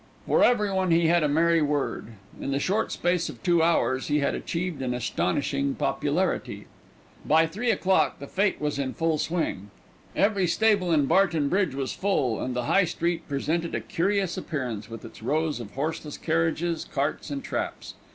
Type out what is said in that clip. For everyone he had a merry word. In the short space of two hours he had achieved an astonishing popularity. By three o'clock the Fête was in full swing. Every stable in Barton Bridge was full, and the High Street presented a curious appearance, with its rows of horseless carriages, carts, and traps.